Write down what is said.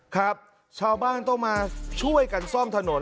ครับชาวบ้านต้องมาช่วยกันซ่อมถนน